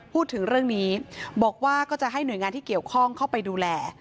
พูดถึงเรื่องนี้บอกว่าก็จะให้หน่วยงานที่เกี่ยวข้องเข้าไปดูแล